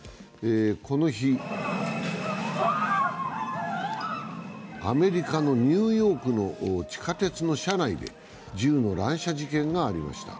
この日、アメリカのニューヨークの地下鉄の車内で銃の乱射事件がありました。